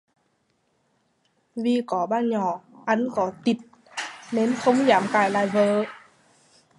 Vì có bà nhỏ, Anh có tịt nên không dám cãi lại vợ